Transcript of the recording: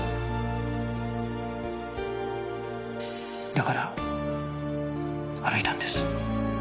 だから歩いたんです。